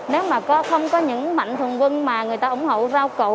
nếu mà không có những mạnh thường quân mà người ta ủng hộ rau cậu